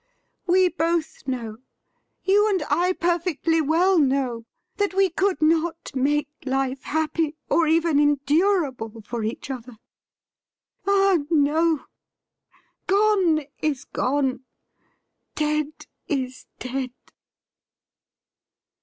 We both know — ^you and I perfectly well know — that we could not make life happy, or even endurable, for each other. Ah, no ! Gone is gone ; dead is dead